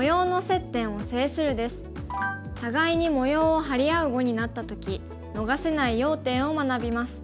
互いに模様を張り合う碁になった時逃せない要点を学びます。